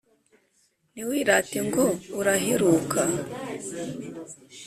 ntiwirate ngo uraheruka